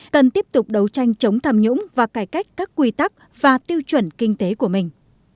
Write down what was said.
cần tiếp tục đấu tranh chống tham nhũng và cải cách các quy tắc và tiêu chuẩn kinh tế của mình